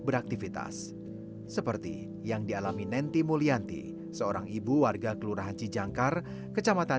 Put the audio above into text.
beraktivitas seperti yang dialami nenty mulyanti seorang ibu warga kelurahan cijangkar kecamatan